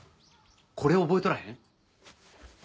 これ覚えとらへん？